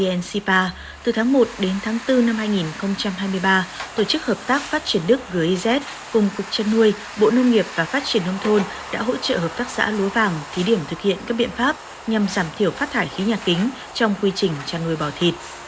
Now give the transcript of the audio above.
trong khuôn khổ dự án hỗ trợ việt nam thực hiện thỏa thuận paris vn sipa từ tháng một đến tháng bốn năm hai nghìn hai mươi ba tổ chức hợp tác phát triển đức giz cùng cục chân nuôi bộ nông nghiệp và phát triển nông thôn đã hỗ trợ hợp tác xã lúa vàng thí điểm thực hiện các biện pháp nhằm giảm thiểu phát thải khí nhà kính trong quy trình chân nuôi bò thịt